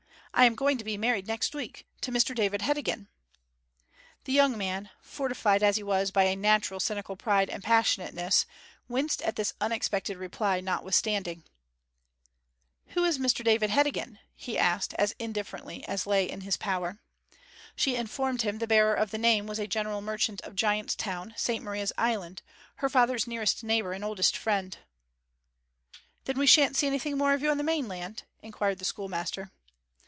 I am going to be married next week to Mr David Heddegan.' The young man fortified as he was by a natural cynical pride and passionateness winced at this unexpected reply, notwithstanding. 'Who is Mr David Heddegan?' he asked, as indifferently as lay in his power. She informed him the bearer of the name was a general merchant of Giant's Town, St Maria's Island her father's nearest neighbour and oldest friend. 'Then we shan't see anything more of you on the mainland?' inquired the schoolmaster.